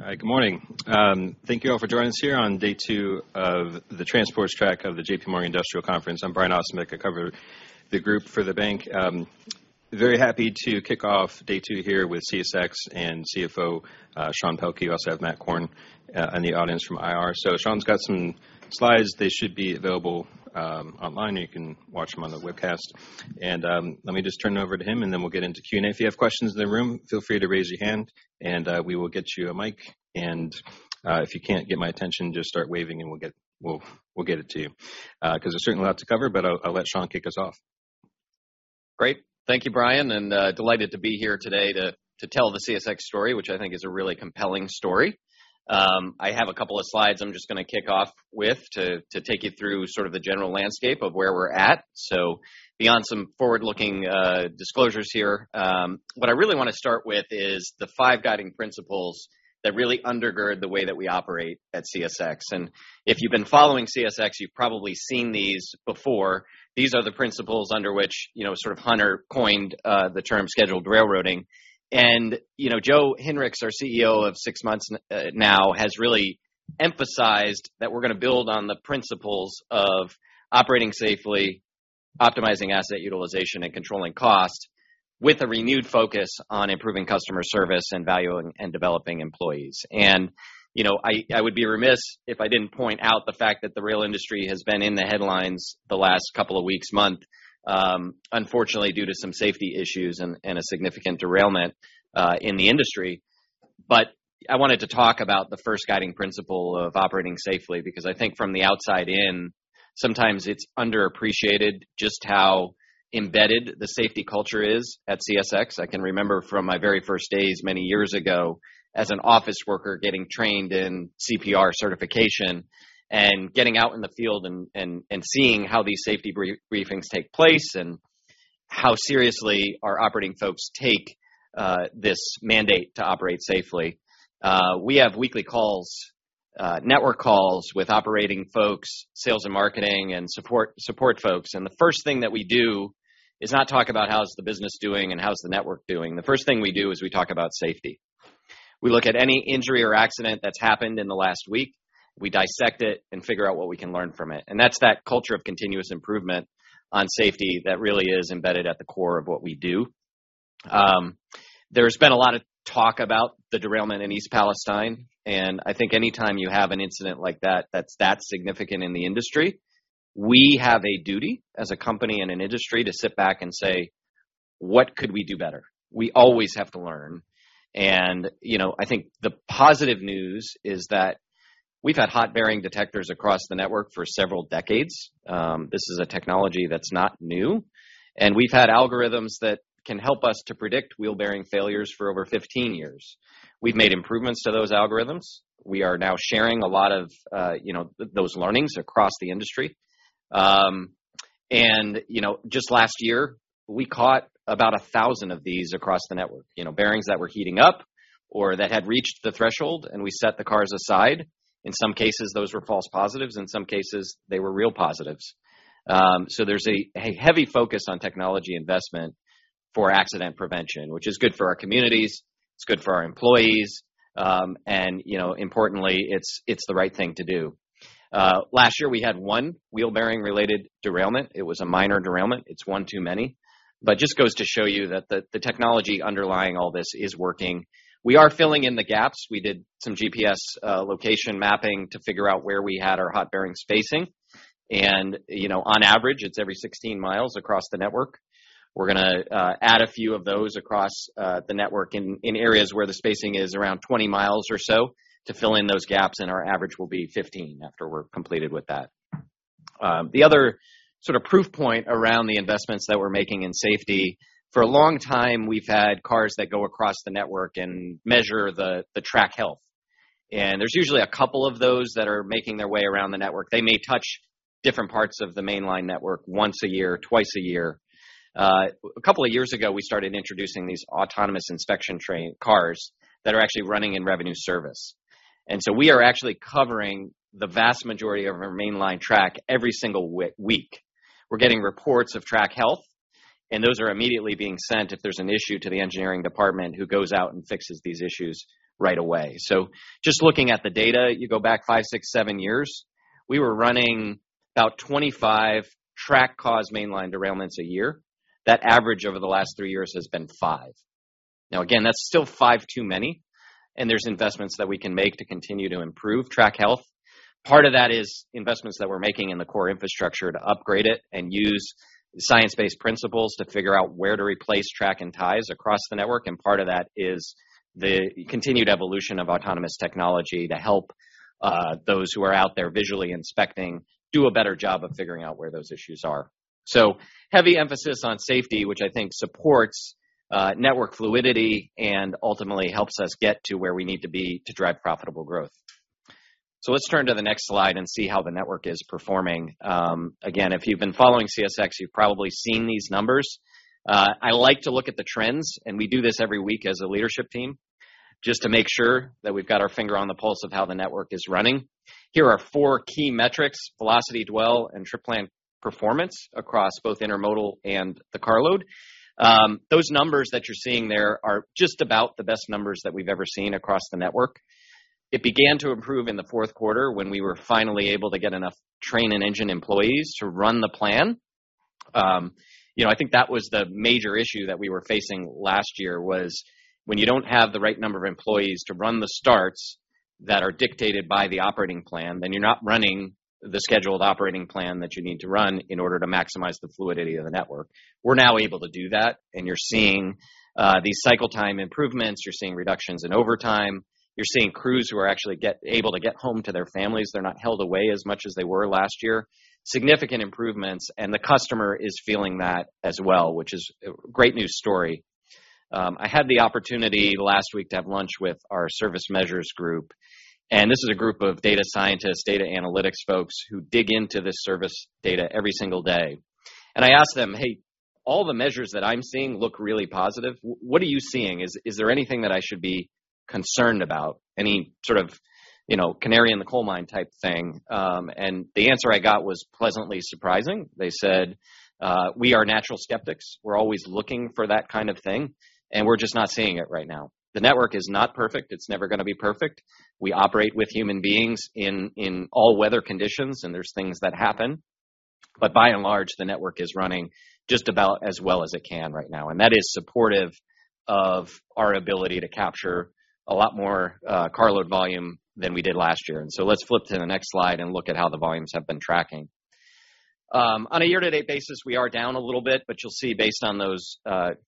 All right. Good morning. Thank you all for joining us here on day two of the transports track of the JPMorgan Industrial Conference. I'm Brian Ossenbeck, I cover the group for the bank. Very happy to kick off day two here with CSX and CFO Sean Pelkey. We also have Matthew Korn in the audience from IR. Sean's got some slides. They should be available online. You can watch them on the webcast. Let me just turn it over to him, and then we'll get into Q&A. If you have questions in the room, feel free to raise your hand, and we will get you a mic. If you can't get my attention, just start waving and we'll get it to you. 'Cause there's certainly a lot to cover, but I'll let Sean kick us off. Great. Thank you, Brian, delighted to be here today to tell the CSX story, which I think is a really compelling story. I have a couple of slides I'm just gonna kick off with to take you through sort of the general landscape of where we're at. Beyond some forward-looking disclosures here, what I really wanna start with is the five guiding principles that really undergird the way that we operate at CSX. If you've been following CSX, you've probably seen these before. These are the principles under which, you know, sort of Hunter coined the term scheduled railroading. You know, Joe Hinrichs, our CEO of six months now, has really emphasized that we're gonna build on the principles of operating safely, optimizing asset utilization, and controlling costs with a renewed focus on improving customer service and value and developing employees. You know, I would be remiss if I didn't point out the fact that the rail industry has been in the headlines the last couple of weeks, month, unfortunately due to some safety issues and a significant derailment in the industry. I wanted to talk about the first guiding principle of operating safely because I think from the outside in, sometimes it's underappreciated just how embedded the safety culture is at CSX. I can remember from my very first days many years ago as an office worker getting trained in CPR certification and getting out in the field and seeing how these safety briefings take place, and how seriously our operating folks take this mandate to operate safely. We have weekly calls, network calls with operating folks, sales and marketing, and support folks. The first thing that we do is not talk about how's the business doing and how's the network doing. The first thing we do is we talk about safety. We look at any injury or accident that's happened in the last week. We dissect it and figure out what we can learn from it. That's that culture of continuous improvement on safety that really is embedded at the core of what we do. There's been a lot of talk about the derailment in East Palestine. I think anytime you have an incident like that that's that significant in the industry, we have a duty as a company and an industry to sit back and say, "What could we do better?" We always have to learn. You know, I think the positive news is that we've had hot bearing detectors across the network for several decades. This is a technology that's not new, and we've had algorithms that can help us to predict wheel bearing failures for over 15 years. We've made improvements to those algorithms. We are now sharing a lot of, you know, those learnings across the industry. You know, just last year, we caught about 1,000 of these across the network. You know, bearings that were heating up or that had reached the threshold, we set the cars aside. In some cases, those were false positives, in some cases, they were real positives. There's a heavy focus on technology investment for accident prevention, which is good for our communities, it's good for our employees, and, you know, importantly, it's the right thing to do. Last year, we had one wheel bearing related derailment. It was a minor derailment. It's one too many. Just goes to show you that the technology underlying all this is working. We are filling in the gaps. We did some GPS location mapping to figure out where we had our hot bearing spacing. You know, on average, it's every 16 mi across the network. We're gonna add a few of those across the network in areas where the spacing is around 20mi or so to fill in those gaps, and our average will be 15 mi after we're completed with that. The other sort of proof point around the investments that we're making in safety, for a long time, we've had cars that go across the network and measure the track health. There's usually two of those that are making their way around the network. They may touch different parts of the mainline network once a year, two times a year. Two years ago, we started introducing these autonomous inspection train cars that are actually running in revenue service. We are actually covering the vast majority of our mainline track every single week. We're getting reports of track health, and those are immediately being sent if there's an issue to the engineering department who goes out and fixes these issues right away. Just looking at the data, you go back five, six, seven years, we were running about 25 track-caused mainline derailments a year. That average over the last three years has been five. Again, that's still five too many, and there's investments that we can make to continue to improve track health. Part of that is investments that we're making in the core infrastructure to upgrade it and use science-based principles to figure out where to replace track and ties across the network, and part of that is the continued evolution of autonomous technology to help those who are out there visually inspecting do a better job of figuring out where those issues are. Heavy emphasis on safety, which I think supports network fluidity and ultimately helps us get to where we need to be to drive profitable growth. Let's turn to the next slide and see how the network is performing. Again, if you've been following CSX, you've probably seen these numbers. I like to look at the trends, and we do this every week as a leadership team just to make sure that we've got our finger on the pulse of how the network is running. Here are four key metrics, velocity, dwell, and trip plan performance across both intermodal and the carload. Those numbers that you're seeing there are just about the best numbers that we've ever seen across the network. It began to improve in the fourth quarter when we were finally able to get enough train and engine employees to run the plan. You know, I think that was the major issue that we were facing last year, was when you don't have the right number of employees to run the starts that are dictated by the operating plan, then you're not running the scheduled operating plan that you need to run in order to maximize the fluidity of the network. We're now able to do that. You're seeing these cycle time improvements. You're seeing reductions in overtime. You're seeing crews who are actually able to get home to their families. They're not held away as much as they were last year. Significant improvements. The customer is feeling that as well, which is a great news story. I had the opportunity last week to have lunch with our service measures group. This is a group of data scientists, data analytics folks who dig into this service data every single day. I asked them, "Hey, all the measures that I'm seeing look really positive. What are you seeing? Is there anything that I should be concerned about? Any sort of, you know, canary in the coal mine type thing?" The answer I got was pleasantly surprising. They said, "We are natural skeptics. We're always looking for that kind of thing, and we're just not seeing it right now." The network is not perfect. It's never gonna be perfect. We operate with human beings in all weather conditions, and there's things that happen. The network is running just about as well as it can right now, and that is supportive of our ability to capture a lot more carload volume than we did last year. Let's flip to the next slide and look at how the volumes have been tracking. On a year-to-date basis, we are down a little bit, but you'll see based on those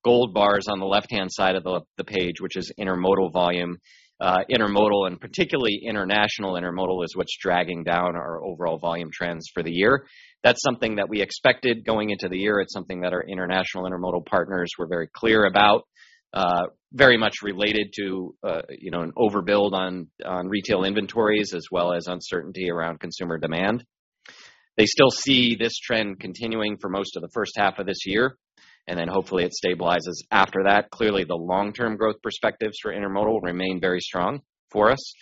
gold bars on the left-hand side of the page, which is intermodal volume. Intermodal, and particularly international intermodal, is what's dragging down our overall volume trends for the year. That's something that we expected going into the year. It's something that our international intermodal partners were very clear about, very much related to, you know, an overbuild on retail inventories as well as uncertainty around consumer demand. They still see this trend continuing for most of the first half of this year, and then hopefully it stabilizes after that. Clearly, the long-term growth perspectives for intermodal remain very strong for us,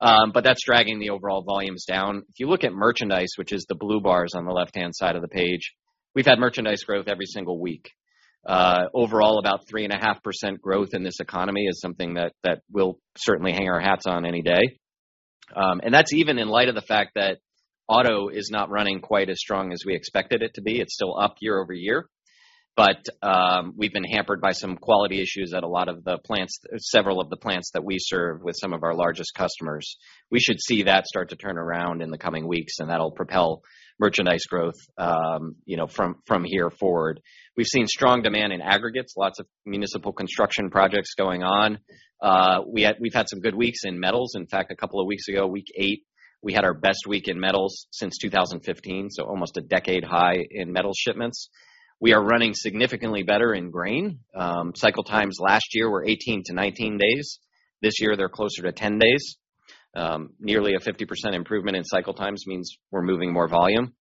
but that's dragging the overall volumes down. If you look at merchandise, which is the blue bars on the left-hand side of the page, we've had merchandise growth every single week. Overall, about 3.5% growth in this economy is something that we'll certainly hang our hats on any day. That's even in light of the fact that auto is not running quite as strong as we expected it to be. It's still up year-over-year, but we've been hampered by some quality issues at several of the plants that we serve with some of our largest customers. We should see that start to turn around in the coming weeks. That'll propel merchandise growth, you know, from here forward. We've seen strong demand in aggregates, lots of municipal construction projects going on. We've had some good weeks in metals. In fact, a couple of weeks ago, week eight, we had our best week in metals since 2015, so almost a decade high in metal shipments. We are running significantly better in grain. Cycle times last year were 18 to 19 days. This year, they're closer to 10 days. Nearly a 50% improvement in cycle times means we're moving more volume.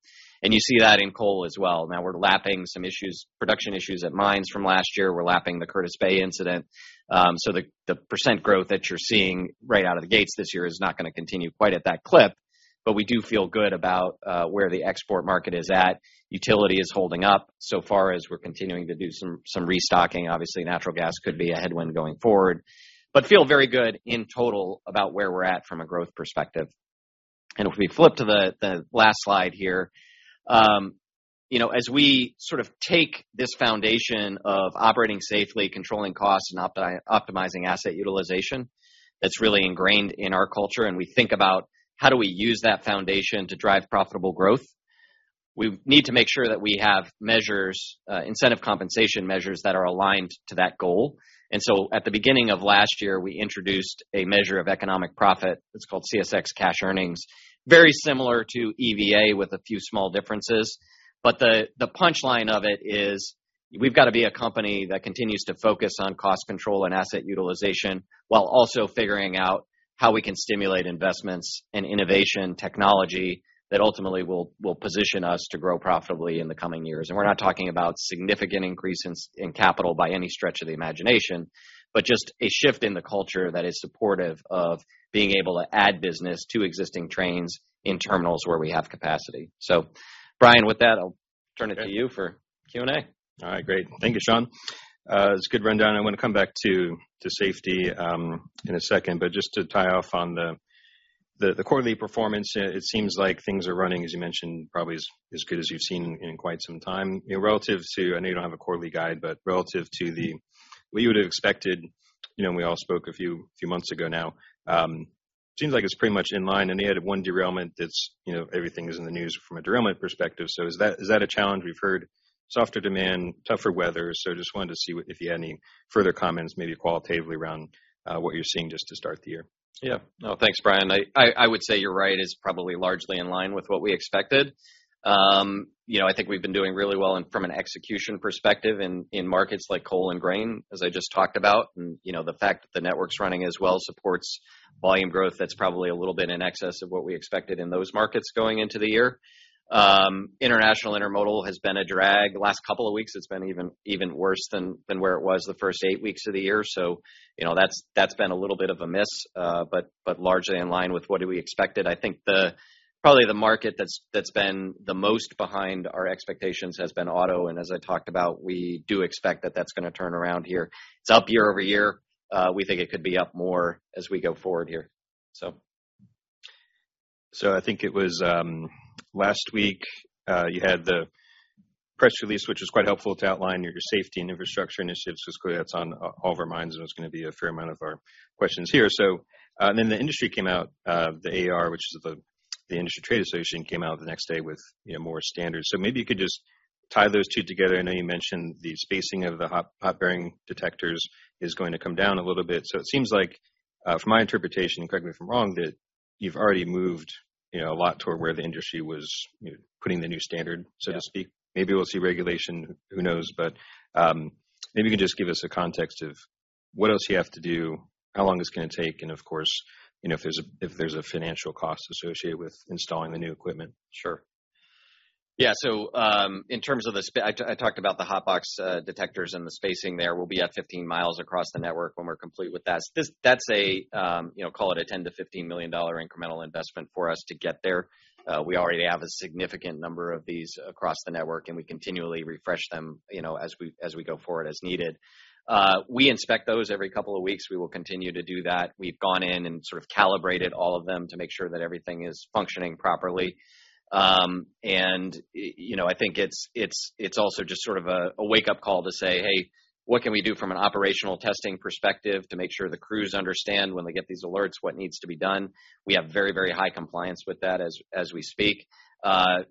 You see that in coal as well. Now we're lapping some issues, production issues at mines from last year. We're lapping the Curtis Bay incident. The, the percent growth that you're seeing right out of the gates this year is not gonna continue quite at that clip, but we do feel good about where the export market is at. Utility is holding up so far as we're continuing to do some restocking. Obviously, natural gas could be a headwind going forward. Feel very good in total about where we're at from a growth perspective. If we flip to the last slide here. You know, as we sort of take this foundation of operating safely, controlling costs, and optimizing asset utilization, that's really ingrained in our culture, and we think about how do we use that foundation to drive profitable growth, we need to make sure that we have measures, incentive compensation measures that are aligned to that goal. At the beginning of last year, we introduced a measure of economic profit. It's called CSX Cash Earnings. Very similar to EVA with a few small differences. The punchline of it is we've got to be a company that continues to focus on cost control and asset utilization while also figuring out how we can stimulate investments in innovation, technology that ultimately will position us to grow profitably in the coming years. We're not talking about significant increase in capital by any stretch of the imagination, but just a shift in the culture that is supportive of being able to add business to existing trains in terminals where we have capacity. Brian, with that, I'll turn it to you for Q&A. All right. Great. Thank you, Sean. It's a good rundown. I want to come back to safety in a second. Just to tie off on the quarterly performance, it seems like things are running, as you mentioned, probably as good as you've seen in quite some time. You know, relative to I know you don't have a quarterly guide, but relative to what you would have expected, you know, when we all spoke a few months ago now, seems like it's pretty much in line. You had one derailment that's, you know, everything is in the news from a derailment perspective. Is that a challenge? We've heard softer demand, tougher weather. Just wanted to see if you had any further comments, maybe qualitatively, around what you're seeing just to start the year. Yeah. No, thanks, Brian. I would say you're right. It's probably largely in line with what we expected. You know, I think we've been doing really well from an execution perspective in markets like coal and grain, as I just talked about. You know, the fact that the network's running as well supports volume growth that's probably a little bit in excess of what we expected in those markets going into the year. International intermodal has been a drag. The last couple of weeks, it's been even worse than where it was the first eight weeks of the year. You know, that's been a little bit of a miss, but largely in line with what we expected. I think probably the market that's been the most behind our expectations has been auto. As I talked about, we do expect that that's gonna turn around here. It's up year-over-year. We think it could be up more as we go forward here. I think it was last week, you had the press release, which was quite helpful to outline your safety and infrastructure initiatives because clearly that's on all of our minds and it's gonna be a fair amount of our questions here. Then the industry came out, the AAR, which is the Industry Trade Association, came out the next day with, you know, more standards. Maybe you could just tie those two together. I know you mentioned the spacing of the hot bearing detectors is going to come down a little bit. It seems like, from my interpretation, correct me if I'm wrong, that you've already moved, you know, a lot toward where the industry was, you know, putting the new standard, so to speak. Yeah. Maybe we'll see regulation, who knows? Maybe you can just give us a context of what else you have to do, how long it's gonna take, and of course, you know, if there's a financial cost associated with installing the new equipment? Sure. Yeah. In terms of I talked about the hot box detectors and the spacing there will be at 15 mi across the network when we're complete with that. That's a, you know, call it a $10 million-$15 million incremental investment for us to get there. We already have a significant number of these across the network, and we continually refresh them, you know, as we go forward as needed. We inspect those every couple of weeks. We will continue to do that. We've gone in and sort of calibrated all of them to make sure that everything is functioning properly. You know, I think it's also just sort of a wake-up call to say, "Hey, what can we do from an operational testing perspective to make sure the crews understand when they get these alerts, what needs to be done?" We have very high compliance with that as we speak. I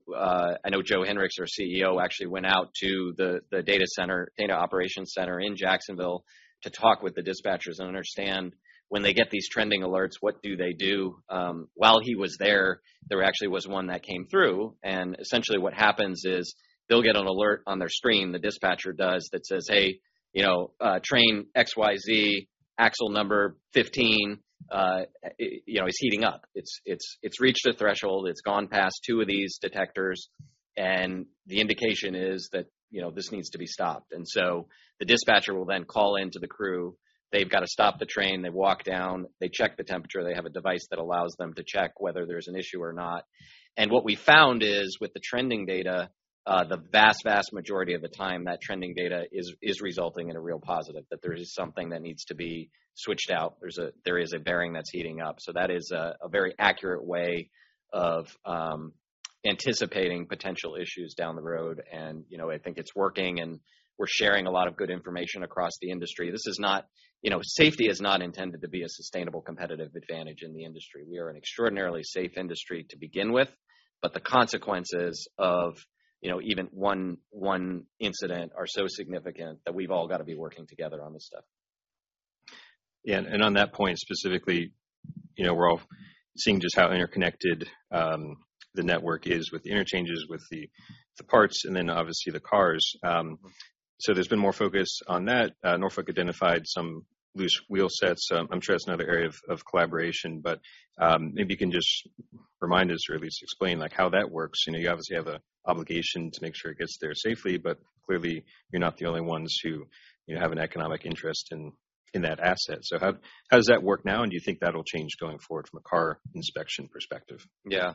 know Joe Hinrichs, our CEO, actually went out to the data center, data operations center in Jacksonville to talk with the dispatchers and understand when they get these trending alerts, what do they do? While he was there actually was one that came through. Essentially what happens is they'll get an alert on their screen, the dispatcher does, that says, "Hey, you know, train XYZ, axle number 15, you know, is heating up. It's reached a threshold. It's gone past two of these detectors, and the indication is that, you know, this needs to be stopped. The dispatcher will call in to the crew. They've got to stop the train. They walk down. They check the temperature. They have a device that allows them to check whether there's an issue or not. What we found is, with the trending data, the vast majority of the time, that trending data is resulting in a real positive, that there is something that needs to be switched out. There is a bearing that's heating up. That is a very accurate way of anticipating potential issues down the road. You know, I think it's working, and we're sharing a lot of good information across the industry. This is not... You know, safety is not intended to be a sustainable competitive advantage in the industry. We are an extraordinarily safe industry to begin with, but the consequences of, you know, even one incident are so significant that we've all got to be working together on this stuff. Yeah. On that point specifically, you know, we're all seeing just how interconnected the network is with the interchanges, with the parts, and then obviously the cars. There's been more focus on that. Norfolk identified some loose wheel sets. I'm sure that's another area of collaboration. Maybe you can just remind us or at least explain, like, how that works. You know, you obviously have an obligation to make sure it gets there safely, but clearly you're not the only ones who, you know, have an economic interest in that asset. How does that work now, and do you think that'll change going forward from a car inspection perspective? Yeah.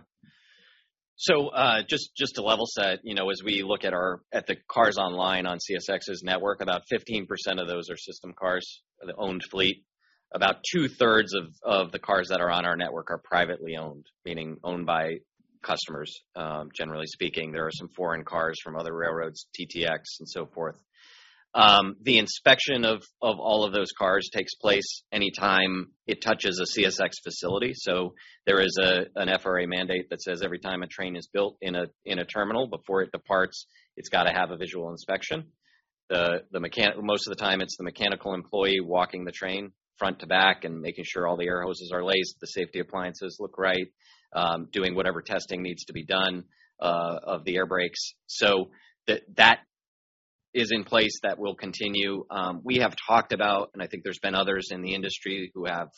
Just to level set, you know, as we look at the cars online on CSX's network, about 15% of those are system cars, the owned fleet. About two-thirds of the cars that are on our network are privately owned, meaning owned by customers, generally speaking. There are some foreign cars from other railroads, TTX and so forth. The inspection of all of those cars takes place any time it touches a CSX facility. There is an FRA mandate that says every time a train is built in a terminal, before it departs, it's got to have a visual inspection. Most of the time, it's the mechanical employee walking the train front to back and making sure all the air hoses are laced, the safety appliances look right, doing whatever testing needs to be done, of the air brakes. That is in place. That will continue. We have talked about, and I think there's been others in the industry who have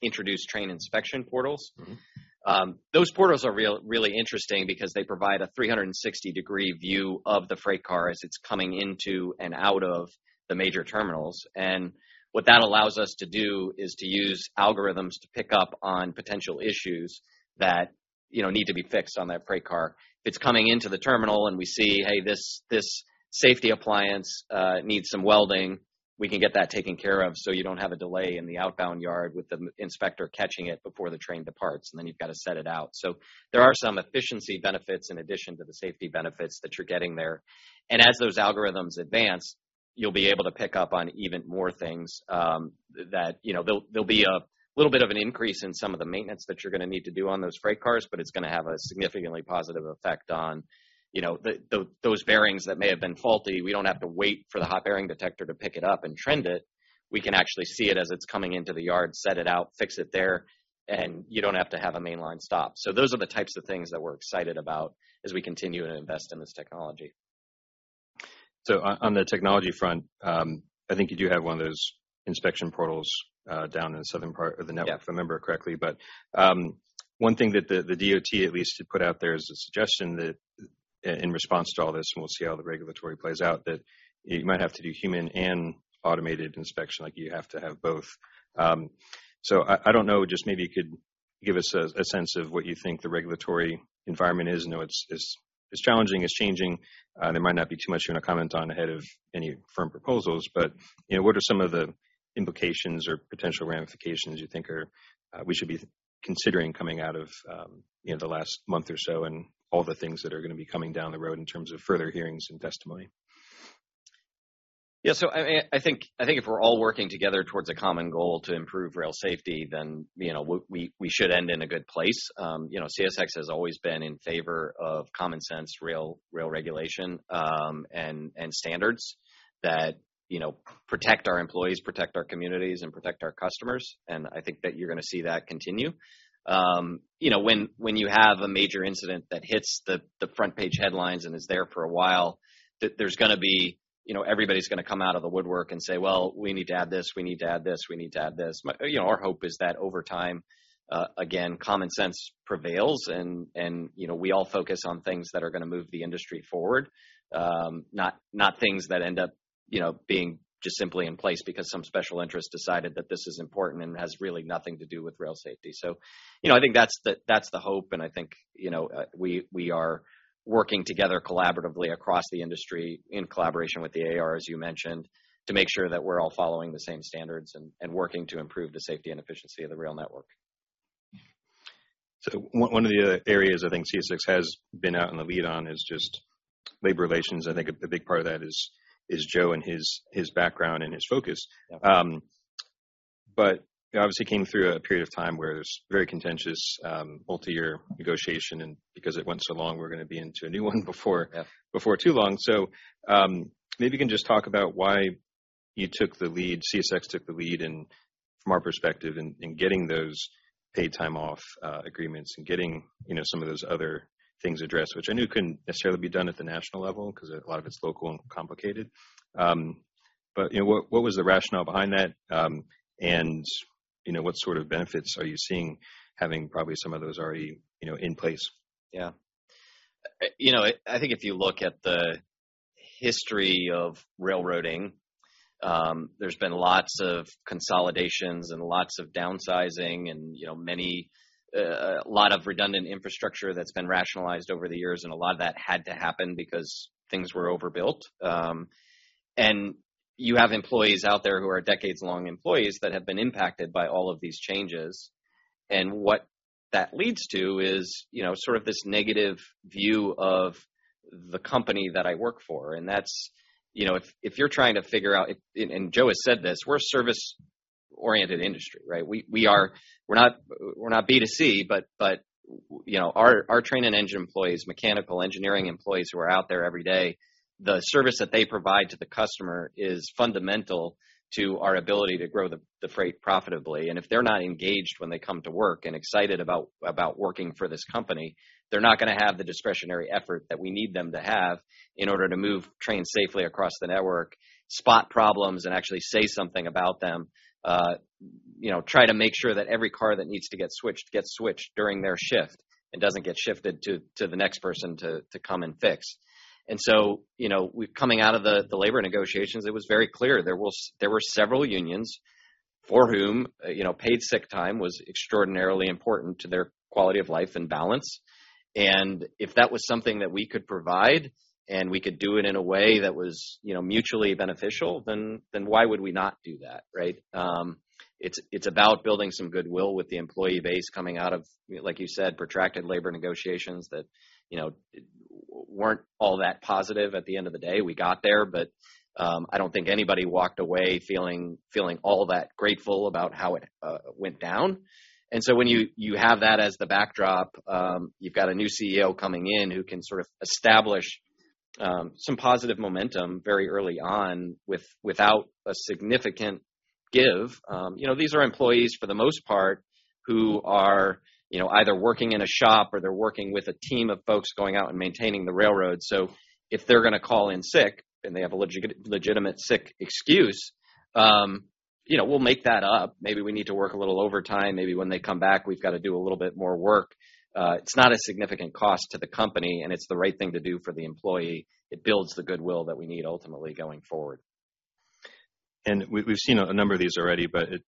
introduced train inspection portals. Mm-hmm. Those portals are really interesting because they provide a 360-degree view of the freight car as it's coming into and out of the major terminals. What that allows us to do is to use algorithms to pick up on potential issues that, you know, need to be fixed on that freight car. If it's coming into the terminal and we see, hey, this safety appliance needs some welding, we can get that taken care of so you don't have a delay in the outbound yard with the inspector catching it before the train departs, and then you've got to set it out. There are some efficiency benefits in addition to the safety benefits that you're getting there. As those algorithms advance, you'll be able to pick up on even more things, that, you know, there'll be a little bit of an increase in some of the maintenance that you're gonna need to do on those freight cars, but it's gonna have a significantly positive effect on, you know, the, those bearings that may have been faulty. We don't have to wait for the hot bearing detector to pick it up and trend it. We can actually see it as it's coming into the yard, set it out, fix it there, and you don't have to have a mainline stop. Those are the types of things that we're excited about as we continue to invest in this technology. On the technology front, I think you do have one of those inspection portals, down in the southern part of the network. Yeah. if I remember correctly. One thing that the DOT at least had put out there as a suggestion that in response to all this, and we'll see how the regulatory plays out, that you might have to do human and automated inspection. Like, you have to have both. I don't know, just maybe you could give us a sense of what you think the regulatory environment is. I know it's challenging. It's changing. There might not be too much you want to comment on ahead of any firm proposals. You know, what are some of the implications or potential ramifications you think are, we should be considering coming out of, you know, the last month or so and all the things that are gonna be coming down the road in terms of further hearings and testimony. I think if we're all working together towards a common goal to improve rail safety, then, you know, we should end in a good place. You know, CSX has always been in favor of common sense rail regulation, and standards that, you know, protect our employees, protect our communities, and protect our customers, and I think that you're gonna see that continue. You know, when you have a major incident that hits the front page headlines and is there for a while, there's gonna be... You know, everybody's gonna come out of the woodwork and say, "Well, we need to add this, we need to add this, we need to add this." You know, our hope is that over time, again, common sense prevails and, you know, we all focus on things that are gonna move the industry forward, not things that end up, you know, being just simply in place because some special interest decided that this is important and has really nothing to do with rail safety. You know, I think that's the hope, and I think, you know, we are working together collaboratively across the industry in collaboration with the AAR, as you mentioned, to make sure that we're all following the same standards and working to improve the safety and efficiency of the rail network. One of the areas I think CSX has been out in the lead on is just labor relations. I think a big part of that is Joe and his background and his focus. Yeah. You obviously came through a period of time where it was very contentious, multi-year negotiation, because it went so long, we're gonna be into a new one. Yeah.... before too long. Maybe you can just talk about why you took the lead, CSX took the lead in, from our perspective, in getting those paid time off, agreements and getting, you know, some of those other things addressed, which I knew couldn't necessarily be done at the national level because a lot of it's local and complicated. What, you know, what was the rationale behind that? You know, what sort of benefits are you seeing having probably some of those already, you know, in place? Yeah. You know, I think if you look at the history of railroading, there's been lots of consolidations and lots of downsizing and, you know, a lot of redundant infrastructure that's been rationalized over the years, and a lot of that had to happen because things were overbuilt. You have employees out there who are decades-long employees that have been impacted by all of these changes. What that leads to is, you know, sort of this negative view of the company that I work for, and that's... You know, if you're trying to figure out, Joe has said this, we're a service-oriented industry, right? We're not B2C, but, you know, our train and engine employees, mechanical engineering employees who are out there every day, the service that they provide to the customer is fundamental to our ability to grow the freight profitably. If they're not engaged when they come to work and excited about working for this company, they're not gonna have the discretionary effort that we need them to have in order to move trains safely across the network, spot problems, and actually say something about them. You know, try to make sure that every car that needs to get switched, gets switched during their shift and doesn't get shifted to the next person to come and fix. You know, coming out of the labor negotiations, it was very clear there were several unions for whom, you know, paid sick time was extraordinarily important to their quality of life and balance. If that was something that we could provide, and we could do it in a way that was, you know, mutually beneficial, then why would we not do that, right? It's about building some goodwill with the employee base coming out of, you know, like you said, protracted labor negotiations that, you know, weren't all that positive at the end of the day. We got there, but I don't think anybody walked away feeling all that grateful about how it went down. When you have that as the backdrop, you've got a new CEO coming in who can sort of establish, some positive momentum very early on without a significant give. You know, these are employees, for the most part, who are, you know, either working in a shop or they're working with a team of folks going out and maintaining the railroad. If they're gonna call in sick, and they have a legitimate sick excuse, you know, we'll make that up. Maybe we need to work a little overtime. Maybe when they come back, we've got to do a little bit more work. It's not a significant cost to the company, and it's the right thing to do for the employee. It builds the goodwill that we need ultimately going forward. We've seen a number of these already, but at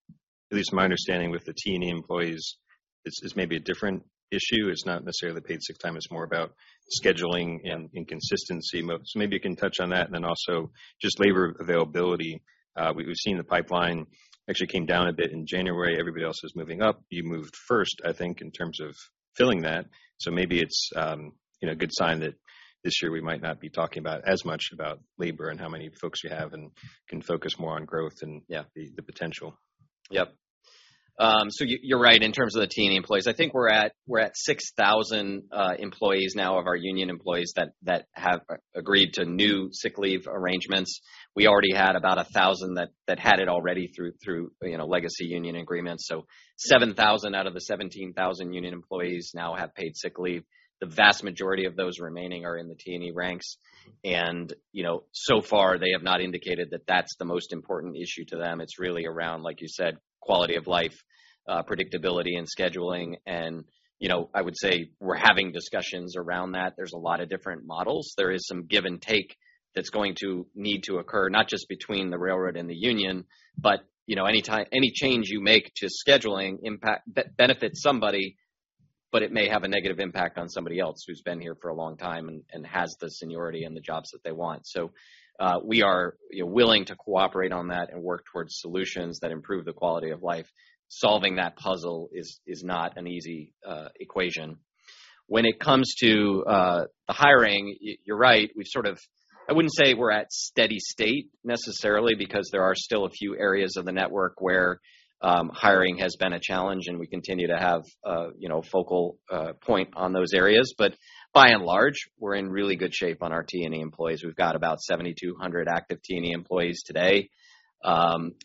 least my understanding with the T&E employees is maybe a different issue. It's not necessarily paid sick time. It's more about scheduling and inconsistency. Maybe you can touch on that and then also just labor availability. We've seen the pipeline actually came down a bit in January. Everybody else is moving up. You moved first, I think, in terms of filling that. Maybe it's, you know, a good sign that this year we might not be talking about as much about labor and how many folks you have and can focus more on growth and, yeah, the potential. Yep. You're right in terms of the T&E employees. I think we're at 6,000 employees now of our union employees that have agreed to new sick leave arrangements. We already had about 1,000 that had it already through, you know, legacy union agreements. 7,000 out of the 17,000 union employees now have paid sick leave. The vast majority of those remaining are in the T&E ranks. You know, so far they have not indicated that that's the most important issue to them. It's really around, like you said, quality of life, predictability and scheduling. You know, I would say we're having discussions around that. There's a lot of different models. There is some give and take that's going to need to occur, not just between the railroad and the union, but, you know, any change you make to scheduling impact benefits somebody. It may have a negative impact on somebody else who's been here for a long time and has the seniority and the jobs that they want. We are, you know, willing to cooperate on that and work towards solutions that improve the quality of life. Solving that puzzle is not an easy equation. When it comes to the hiring, you're right, we sort of I wouldn't say we're at steady state necessarily because there are still a few areas of the network where hiring has been a challenge, and we continue to have a, you know, focal point on those areas. By and large, we're in really good shape on our T&E employees. We've got about 7,200 active T&E employees today.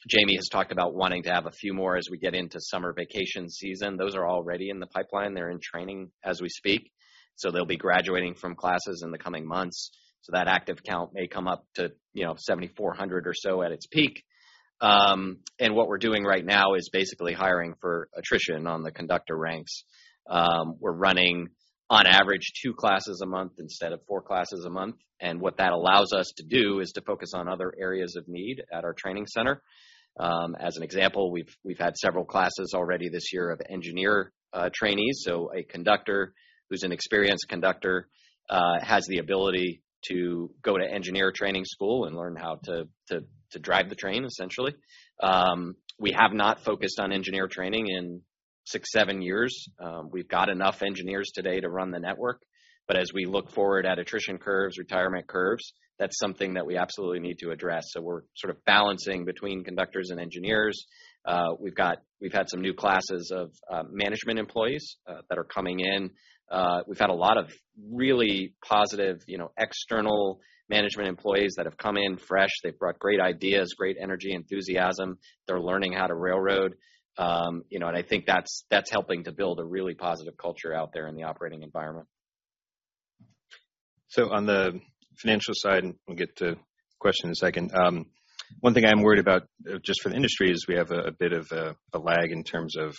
Jamie has talked about wanting to have a few more as we get into summer vacation season. Those are already in the pipeline. They're in training as we speak, so they'll be graduating from classes in the coming months. That active count may come up to, you know, 7,400 or so at its peak. What we're doing right now is basically hiring for attrition on the conductor ranks. We're running on average two classes a month instead of four classes a month. What that allows us to do is to focus on other areas of need at our training center. As an example, we've had several classes already this year of engineer trainees. A conductor who's an experienced conductor has the ability to go to engineer training school and learn how to drive the train, essentially. We have not focused on engineer training in six, seven years. We've got enough engineers today to run the network. As we look forward at attrition curves, retirement curves, that's something that we absolutely need to address. We're sort of balancing between conductors and engineers. We've had some new classes of management employees that are coming in. We've had a lot of really positive, you know, external management employees that have come in fresh. They've brought great ideas, great energy, enthusiasm. They're learning how to railroad. You know, and I think that's helping to build a really positive culture out there in the operating environment. On the financial side, and we'll get to questions in a second. One thing I'm worried about just for the industry is we have a bit of a lag in terms of,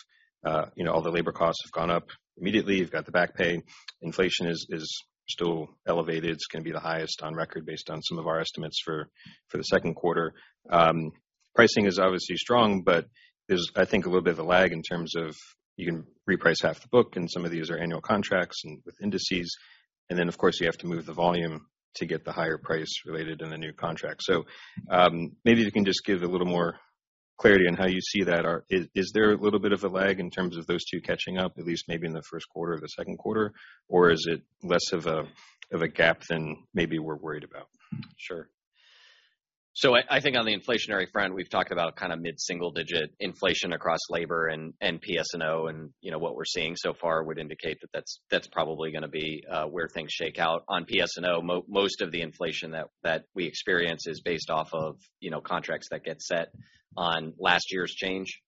you know, all the labor costs have gone up immediately. You've got the back pay. Inflation is still elevated. It's gonna be the highest on record based on some of our estimates for the second quarter. Pricing is obviously strong, but there's, I think, a little bit of a lag in terms of you can reprice half the book, and some of these are annual contracts and with indices. Then, of course, you have to move the volume to get the higher price related in a new contract. Maybe you can just give a little more clarity on how you see that. Is there a little bit of a lag in terms of those two catching up, at least maybe in the first quarter or the second quarter? Is it less of a gap than maybe we're worried about? Sure. I think on the inflationary front, we've talked about kind of mid-single-digit inflation across labor and PS&O. You know, what we're seeing so far would indicate that that's probably gonna be where things shake out. On PS&O, most of the inflation that we experience is based off of, you know, contracts that get set on last year's change.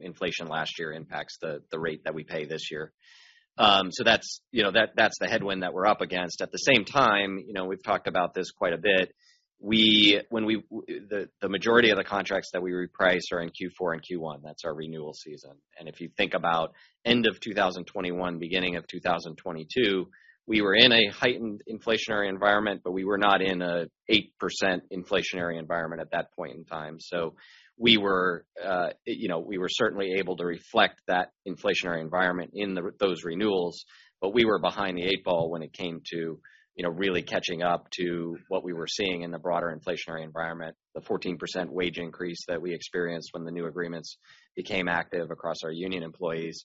Inflation last year impacts the rate that we pay this year. That's, you know, that's the headwind that we're up against. At the same time, you know, we've talked about this quite a bit. The majority of the contracts that we reprice are in Q4 and Q1. That's our renewal season. If you think about end of 2021, beginning of 2022, we were in a heightened inflationary environment, but we were not in a 8% inflationary environment at that point in time. We were, you know, we were certainly able to reflect that inflationary environment in those renewals, but we were behind the eight ball when it came to, you know, really catching up to what we were seeing in the broader inflationary environment, the 14% wage increase that we experienced when the new agreements became active across our union employees.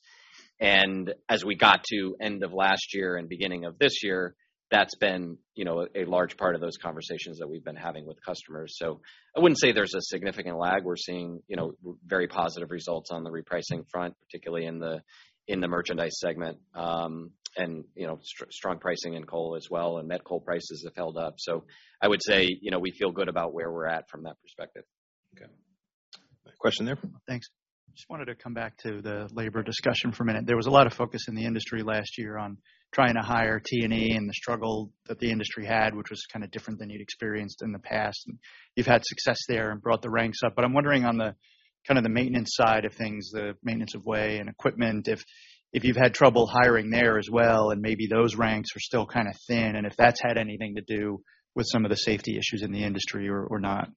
As we got to end of last year and beginning of this year, that's been, you know, a large part of those conversations that we've been having with customers. I wouldn't say there's a significant lag. We're seeing, you know, very positive results on the repricing front, particularly in the, in the merchandise segment. You know, strong pricing in coal as well, and met coal prices have held up. I would say, you know, we feel good about where we're at from that perspective. Okay. Question there? Thanks. Just wanted to come back to the labor discussion for a minute. There was a lot of focus in the industry last year on trying to hire T&E and the struggle that the industry had, which was kind of different than you'd experienced in the past. You've had success there and brought the ranks up. I'm wondering on the, kind of the maintenance side of things, the Maintenance of Way and equipment, if you've had trouble hiring there as well, and maybe those ranks are still kind of thin, and if that's had anything to do with some of the safety issues in the industry or not.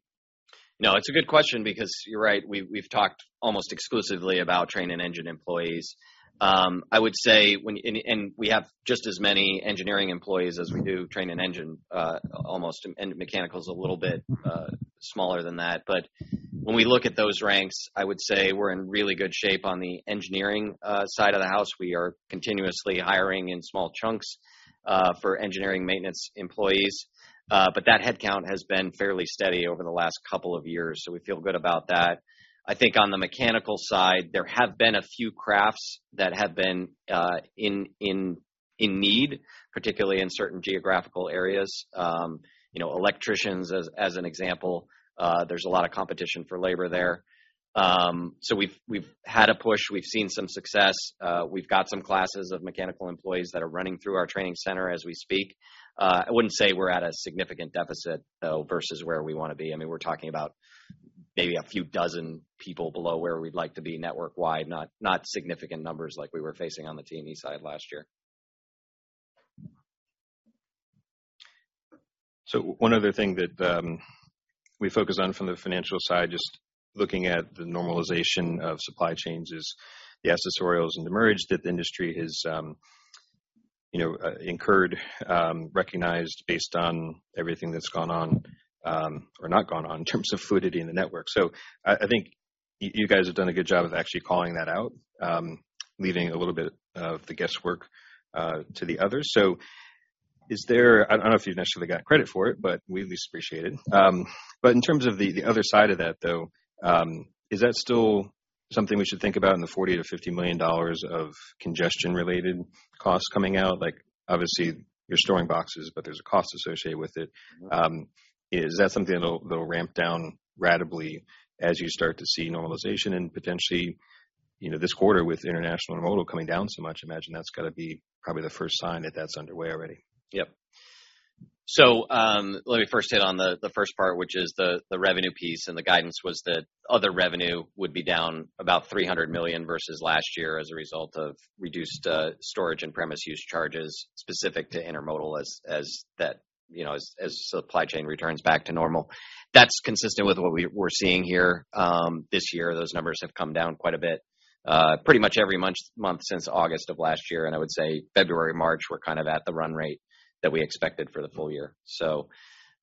No, it's a good question because you're right. We've talked almost exclusively about train and engine employees. I would say we have just as many engineering employees as we do train and engine, almost, and mechanical's a little bit smaller than that. When we look at those ranks, I would say we're in really good shape on the engineering side of the house. We are continuously hiring in small chunks for engineering maintenance employees. That headcount has been fairly steady over the last couple of years, so we feel good about that. I think on the mechanical side, there have been a few crafts that have been in need, particularly in certain geographical areas. You know, electricians, as an example, there's a lot of competition for labor there. We've had a push, we've seen some success. We've got some classes of mechanical employees that are running through our training center as we speak. I wouldn't say we're at a significant deficit, though, versus where we wanna be. I mean, we're talking about maybe a few dozen people below where we'd like to be network-wide, not significant numbers like we were facing on the T&E side last year. One other thing that we focus on from the financial side, just looking at the normalization of supply chains is the accessorials and the demurrage that the industry has, you know, incurred, recognized based on everything that's gone on, or not gone on in terms of fluidity in the network. I think you guys have done a good job of actually calling that out, leaving a little bit of the guesswork to the others. Is there? I don't know if you've necessarily got credit for it, but we at least appreciate it. In terms of the other side of that, though, is that still something we should think about in the $40 million-$50 million of congestion related costs coming out? Like, obviously you're storing boxes, but there's a cost associated with it. Is that something that'll ramp down ratably as you start to see normalization and potentially, you know, this quarter with international intermodal coming down so much, I imagine that's got to be probably the first sign that that's underway already. Yep. Let me first hit on the first part, which is the revenue piece. The guidance was that other revenue would be down about $300 million versus last year as a result of reduced storage and premise use charges specific to intermodal as that, you know, as supply chain returns back to normal. That's consistent with what we're seeing here this year. Those numbers have come down quite a bit, pretty much every month since August of last year. I would say February, March, we're kind of at the run rate that we expected for the full year.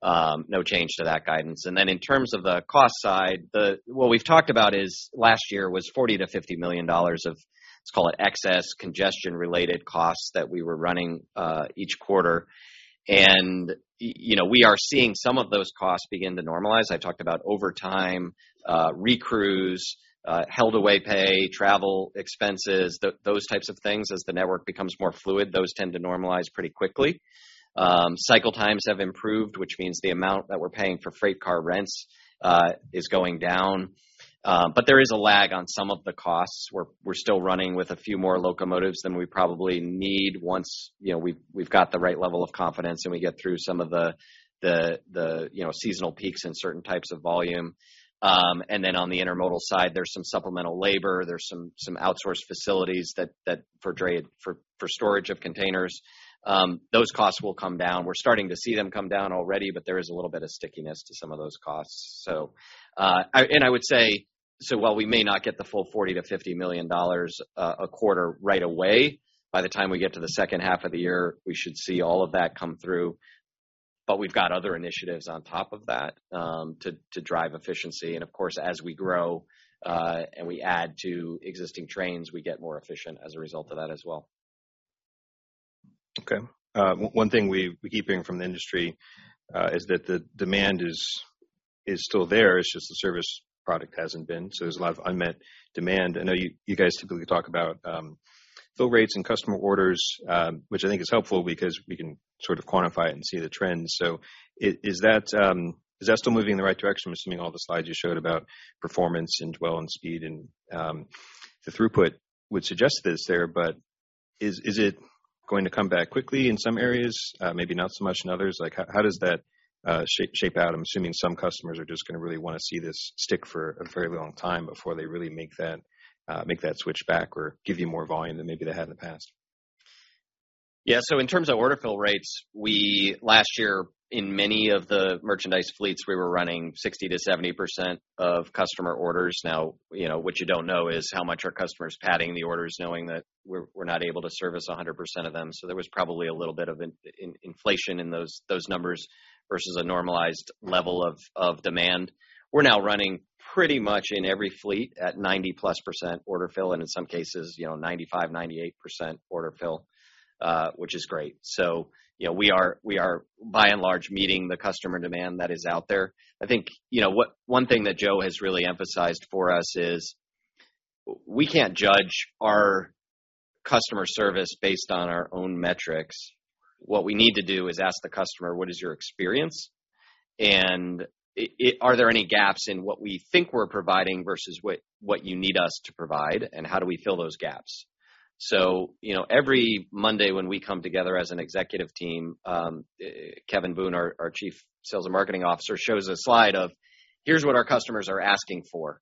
No change to that guidance. In terms of the cost side, the what we've talked about is last year was $40 million-$50 million of, let's call it, excess congestion-related costs that we were running each quarter. You know, we are seeing some of those costs begin to normalize. I talked about overtime, recrews, held away pay, travel expenses, those types of things. As the network becomes more fluid, those tend to normalize pretty quickly. Cycle times have improved, which means the amount that we're paying for freight car rents is going down. There is a lag on some of the costs. We're still running with a few more locomotives than we probably need once, you know, we've got the right level of confidence, and we get through some of the, you know, seasonal peaks in certain types of volume. On the intermodal side, there's some supplemental labor, there's some outsourced facilities that for storage of containers. Those costs will come down. We're starting to see them come down already, but there is a little bit of stickiness to some of those costs. While we may not get the full $40 million-$50 million a quarter right away, by the time we get to the second half of the year, we should see all of that come through. We've got other initiatives on top of that to drive efficiency. Of course, as we grow and we add to existing trains, we get more efficient as a result of that as well. Okay. One thing we keep hearing from the industry, is that the demand is still there, it's just the service product hasn't been. There's a lot of unmet demand. I know you guys typically talk about fill rates and customer orders, which I think is helpful because we can sort of quantify it and see the trends. Is that still moving in the right direction? I'm assuming all the slides you showed about performance and dwell and speed and the throughput would suggest that it's there, but is it going to come back quickly in some areas, maybe not so much in others? Like, how does that shape out? I'm assuming some customers are just gonna really wanna see this stick for a very long time before they really make that switch back or give you more volume than maybe they have in the past. In terms of order fill rates, last year, in many of the merchandise fleets, we were running 60%-70% of customer orders. You know, what you don't know is how much are customers padding the orders knowing that we're not able to service 100% of them. There was probably a little bit of inflation in those numbers versus a normalized level of demand. We're now running pretty much in every fleet at 90%+ order fill, and in some cases, you know, 95%, 98% order fill, which is great. You know, we are by and large meeting the customer demand that is out there. I think, you know, one thing that Joe has really emphasized for us is we can't judge our customer service based on our own metrics. What we need to do is ask the customer, what is your experience? Are there any gaps in what we think we're providing versus what you need us to provide, and how do we fill those gaps? You know, every Monday when we come together as an executive team, Kevin Boone, our chief sales and marketing officer, shows a slide of, here's what our customers are asking for.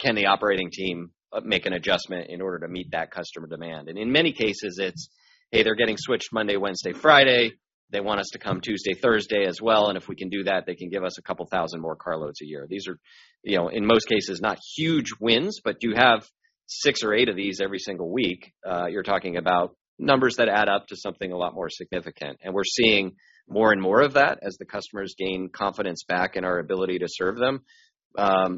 Can the operating team make an adjustment in order to meet that customer demand? In many cases, it's, "Hey, they're getting switched Monday, Wednesday, Friday. They want us to come Tuesday, Thursday as well. If we can do that, they can give us a couple thousand more car loads a year." These are, you know, in most cases, not huge wins, but you have six or eight of these every single week. You're talking about numbers that add up to something a lot more significant. We're seeing more and more of that as the customers gain confidence back in our ability to serve them.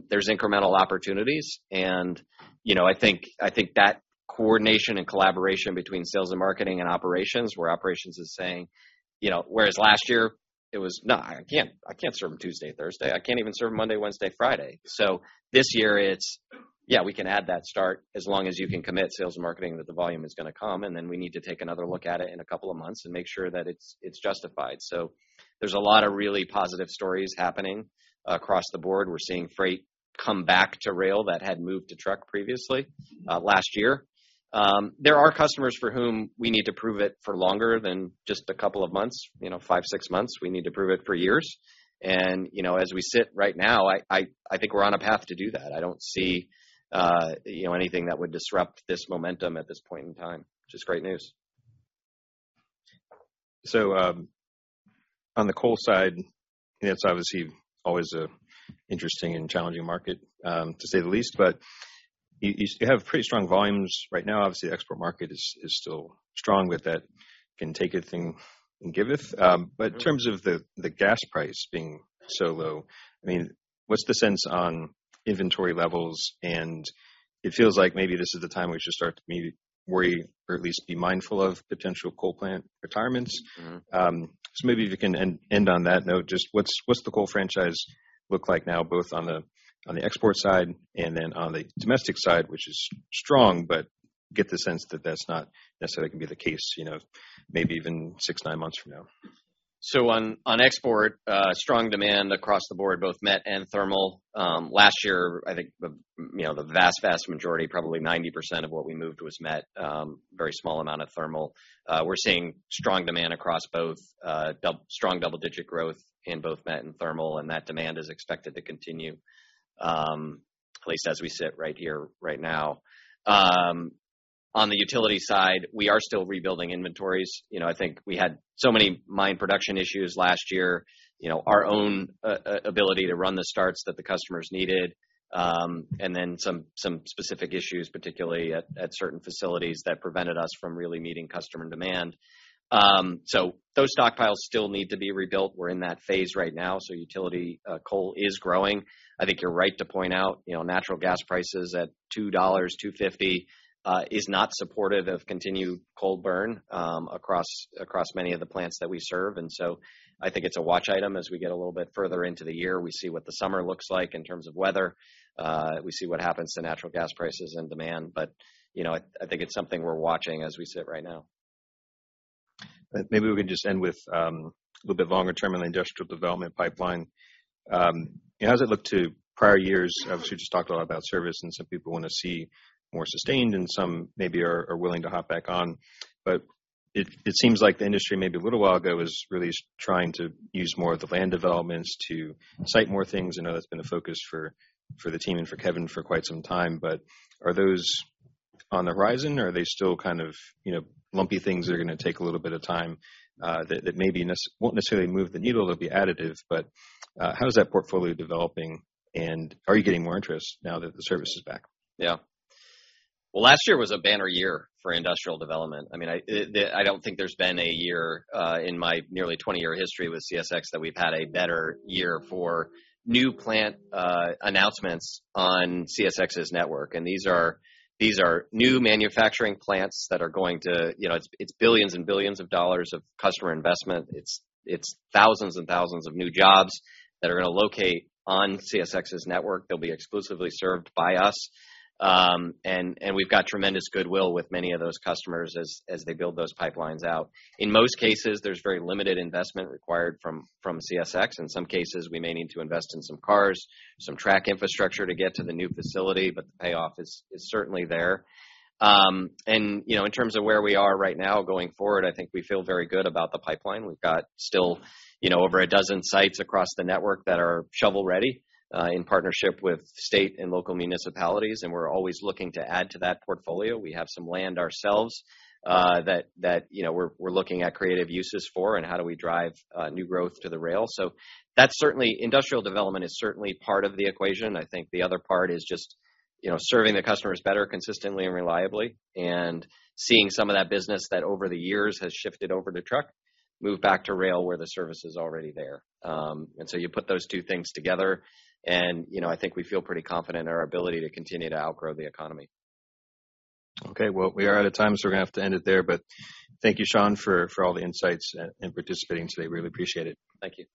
There's incremental opportunities, and, you know, I think that coordination and collaboration between sales and marketing and operations, where operations is saying, you know, whereas last year it was, "No, I can't serve them Tuesday, Thursday. I can't even serve Monday, Wednesday, Friday." This year it's, "Yeah, we can add that start as long as you can commit sales and marketing that the volume is gonna come, and then we need to take another look at it in a couple of months and make sure that it's justified." There's a lot of really positive stories happening across the board. We're seeing freight come back to rail that had moved to truck previously, last year. There are customers for whom we need to prove it for longer than just a couple of months, you know, five, six months. We need to prove it for years. You know, as we sit right now, I think we're on a path to do that. I don't see, you know, anything that would disrupt this momentum at this point in time, which is great news. On the coal side, it's obviously always an interesting and challenging market, to say the least, but you have pretty strong volumes right now. Obviously, export market is still strong with that can taketh and giveth. In terms of the gas price being so low, I mean, what's the sense on inventory levels? It feels like maybe this is the time we should start to worry or at least be mindful of potential coal plant retirements. Mm-hmm. Maybe if you can end on that note, just what's the coal franchise look like now, both on the export side and then on the domestic side, which is strong, but get the sense that that's not necessarily gonna be the case, you know, maybe even six, nine months from now. On, on export, strong demand across the board, both met and thermal. Last year, I think the, you know, the vast majority, probably 90% of what we moved was met, very small amount of thermal. We're seeing strong demand across both, strong double-digit growth in both met and thermal, and that demand is expected to continue, at least as we sit right here right now. On the utility side, we are still rebuilding inventories. You know, I think we had so many mine production issues last year, you know, our own ability to run the starts that the customers needed, and then some specific issues, particularly at certain facilities that prevented us from really meeting customer demand. Those stockpiles still need to be rebuilt. We're in that phase right now, so utility, coal is growing. I think you're right to point out, you know, natural gas prices at $2, $2.50, is not supportive of continued coal burn across many of the plants that we serve. I think it's a watch item as we get a little bit further into the year. We see what the summer looks like in terms of weather. We see what happens to natural gas prices and demand. You know, I think it's something we're watching as we sit right now. Maybe we can just end with a little bit longer term in the industrial development pipeline. As it looked to prior years, obviously you just talked a lot about service and some people wanna see more sustained and some maybe are willing to hop back on. But it seems like the industry maybe a little while ago was really trying to use more of the land developments to cite more things. I know that's been a focus for the team and for Kevin for quite some time, but are those on the horizon or are they still kind of, you know, lumpy things that are gonna take a little bit of time, that won't necessarily move the needle, they'll be additive, but how is that portfolio developing, and are you getting more interest now that the service is back? Well, last year was a banner year for industrial development. I mean, I don't think there's been a year in my nearly 20-year history with CSX that we've had a better year for new plant announcements on CSX's network. These are new manufacturing plants that are going to. You know, it's billions and billions of dollars of customer investment. It's thousands and thousands of new jobs that are gonna locate on CSX's network. They'll be exclusively served by us. We've got tremendous goodwill with many of those customers as they build those pipelines out. In most cases, there's very limited investment required from CSX. In some cases, we may need to invest in some cars, some track infrastructure to get to the new facility, but the payoff is certainly there. You know, in terms of where we are right now going forward, I think we feel very good about the pipeline. We've got still, you know, over a dozen sites across the network that are shovel-ready, in partnership with state and local municipalities. We're always looking to add to that portfolio. We have some land ourselves, that, you know, we're looking at creative uses for and how do we drive new growth to the rail. That's certainly Industrial development is certainly part of the equation. I think the other part is just, you know, serving the customers better, consistently and reliably, seeing some of that business that over the years has shifted over to truck, move back to rail where the service is already there. You put those two things together, and, you know, I think we feel pretty confident in our ability to continue to outgrow the economy. We are out of time, so we're gonna have to end it there. Thank you, Sean, for all the insights and participating today. Really appreciate it. Thank you.